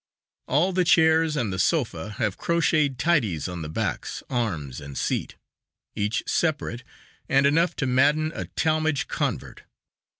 All the chairs, and the sofa, have crocheted tidies on the backs, arms and seat, each separate, and enough to madden a Talmage convert.